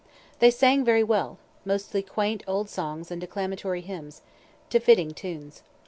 They sang very well, mostly quaint old songs and declamatory hymns, to fitting tunes.